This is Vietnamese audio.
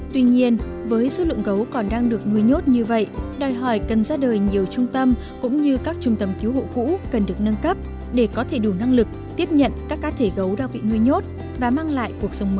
tuy nhiên với số lượng gấu còn đang được nuôi nhốt như vậy đòi hỏi cần ra đời nhiều trung tâm cũng như các trung tâm cứu hộ cũ cần được nâng cấp để có thể đủ năng lực tiếp nhận các cá thể gấu đang bị nuôi nhốt và mang lại cuộc sống mới